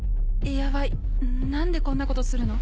ヤバい何でこんなことするの？